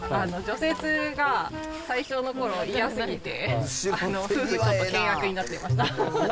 除雪が最初のころ嫌すぎて、夫婦ちょっと険悪になってました。